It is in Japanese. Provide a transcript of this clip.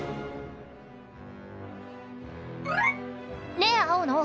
ねえ青野。